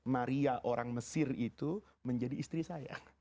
maria orang mesir itu menjadi istri saya